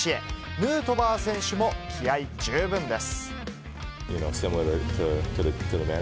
ヌートバー選手も気合い十分です。